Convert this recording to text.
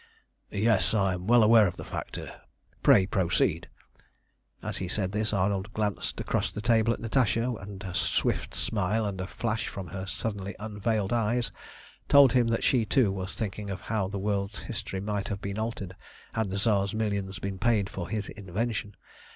"Yes, I am well aware of the fact. Pray proceed." As he said this Arnold glanced across the table at Natasha, and a swift smile and a flash from her suddenly unveiled eyes told him that she, too, was thinking of how the world's history might have been altered had the Tsar's million been paid for his invention.